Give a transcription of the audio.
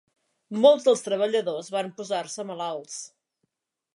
Molts dels treballadors van posar-se malalts.